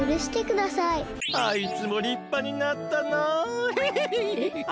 あいつもりっぱになったなあ。